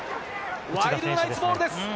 ワイルドナイツボールです。